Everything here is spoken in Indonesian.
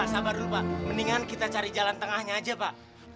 sabar dulu pak mendingan kita cari jalan tengahnya aja pak